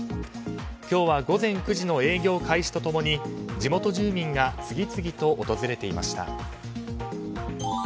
今日は午前９時の営業開始と共に地元住民が次々と訪れていました。